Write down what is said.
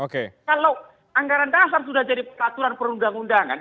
kalau anggaran dasar sudah jadi peraturan perundang undangan